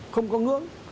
không có ngưỡng